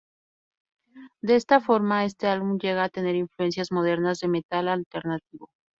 De esta forma, este álbum llega a tener influencias modernas de metal alternativo.